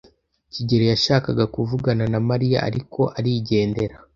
kigeli yashakaga kuvugana na Mariya, ariko arigendera.